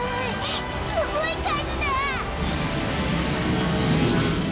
すごい数だ！